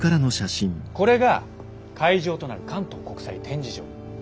これが会場となる関東国際展示場。